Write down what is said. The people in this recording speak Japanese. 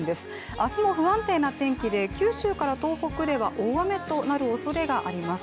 明日も不安定な天気で、九州から東北では大雨となるおそれがあります。